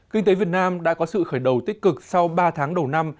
kinh tế việt nam đã có sự khởi đầu tích cực sau ba tháng đầu năm